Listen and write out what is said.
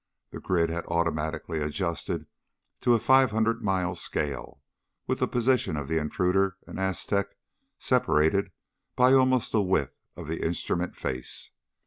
The grid had automatically adjusted to a 500 mile scale with the positions of the intruder and Aztec separated by almost the width of the instrument face.